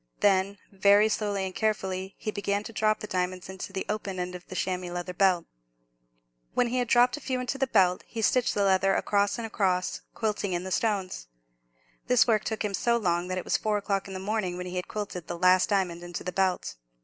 Then, very slowly and carefully, he began to drop the diamonds into the open end of the chamois leather belt. When he had dropped a few into the belt, he stitched the leather across and across, quilting in the stones. This work took him so long, that it was four o'clock in the morning when he had quilted the last diamond into the belt.